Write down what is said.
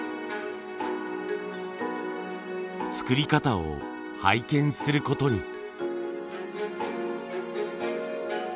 作り方を拝見することに。